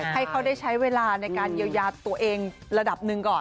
ให้เขาได้ใช้เวลาในการเยียวยาตัวเองระดับหนึ่งก่อน